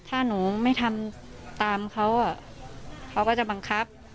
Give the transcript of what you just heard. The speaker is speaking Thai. ถ้าหนูไม่ทำตามเขาเขาก็จะบังคับ